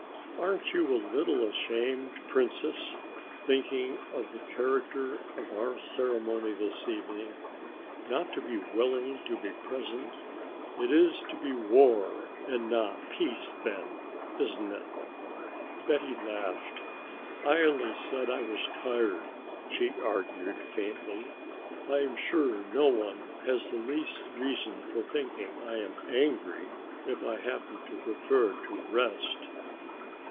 "Aren't you a little ashamed, Princess, thinking of the character of our ceremony this evening, not to be willing to be present? It is to be war and not peace then, isn't it?" Betty laughed. "I only said I was tired," she argued faintly. "I am sure no one has the least reason for thinking I am angry if I happen to prefer to rest."